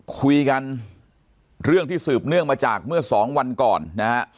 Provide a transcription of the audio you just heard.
คุยกันเรื่องที่สืบเนื่องมาจากเมื่อสองวันก่อนนะฮะ